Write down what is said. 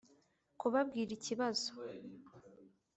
kubabwira ikibazo